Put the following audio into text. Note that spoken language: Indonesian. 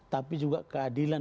tapi juga keadilan